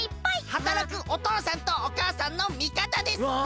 はたらくおとうさんとおかあさんのみかたです！わ！